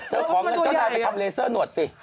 เธอพร้อมกันเจ้าได้ไปทำเลเซอร์หนวดสิ